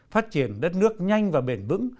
phát triển đất nước nhanh và bền vững